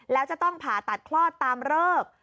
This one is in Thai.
แล้วจะต้องผ่าตัดคลอดตามเลิก